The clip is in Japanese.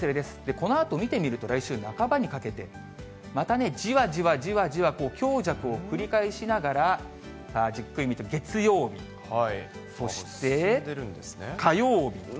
このあと見てみると、来週半ばにかけて、またね、じわじわじわじわ強弱を繰り返しながら、じっくり見て月曜日、そして火曜日。